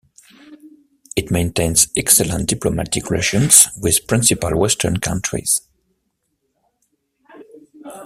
It maintains excellent diplomatic relations with principal Western countries.